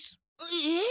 えっ？